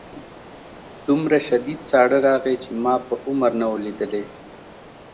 دومره شدید ساړه راغی چې ما په عمر نه و لیدلی